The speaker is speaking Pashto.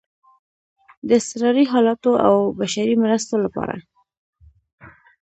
د اضطراري حالاتو او بشري مرستو لپاره